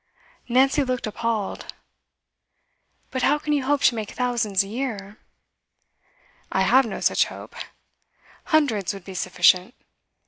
Nancy looked appalled. 'But how can you hope to make thousands a year?' 'I have no such hope; hundreds would be sufficient.